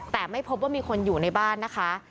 แต่ไม่พบว่ามีคนอยู่ในบ้านนะคะ